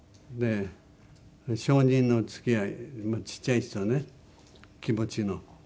小人の付き合いちっちゃい人ね気持ちの。